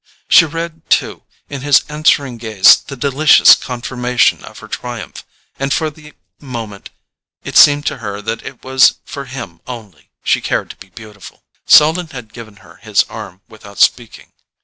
She read, too, in his answering gaze the delicious confirmation of her triumph, and for the moment it seemed to her that it was for him only she cared to be beautiful. Selden had given her his arm without speaking.